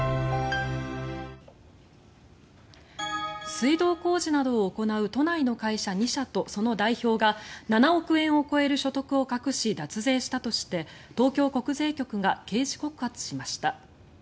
水道工事などを行う都内の会社２社とその代表が７億円を超える所得を隠し脱税したとして東京国税局が刑事告発しました。